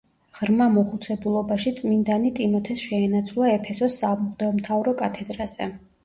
ღრმა მოხუცებულობაში წმინდანი ტიმოთეს შეენაცვლა ეფესოს სამღვდელმთავრო კათედრაზე.